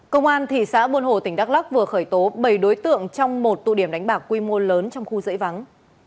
công an thị xã buôn hồ tỉnh đắk lắc vừa khởi tố bảy đối tượng trong một tụ điểm đánh bạc quy mô lớn trong khu dãy vắng